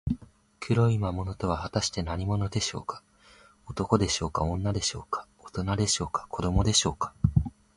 黒い魔物とは、はたして何者でしょうか。男でしょうか、女でしょうか、おとなでしょうか、子どもでしょうか。